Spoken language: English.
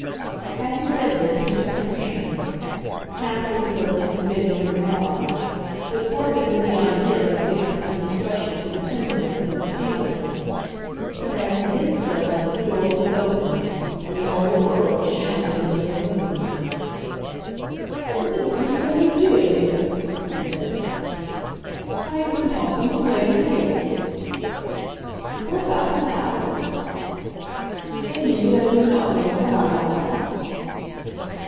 As he said this he took her hand, half with the purpose of bidding her good bye, but partly with the idea of giving some expression to the tenderness of his feelings. But as he did so, the door was opened, and the old Earl shambled into the room. "What the deuce are you doing here?" he said. "I have been talking to Lady Mabel." "For about an hour." "Indeed I do not know for how long."